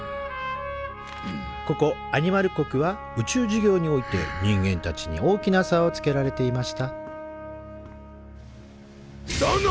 ここアニマル国は宇宙事業において人間たちに大きな差をつけられていましただが！